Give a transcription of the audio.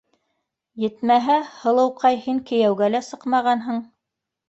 Етмәһә, һылыуҡай, һин кейәүгә лә сыҡмағанһың.